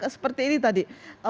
seperti ini tadi